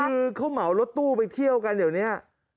คือเขาเหมารถตู้ไปเที่ยวกันเดี๋ยวนี้